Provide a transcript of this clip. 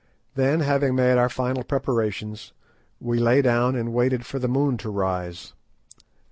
Then, having made our final preparations, we lay down and waited for the moon to rise.